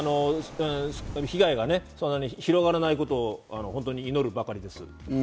被害がそんなに広がらないことを祈るばかりです。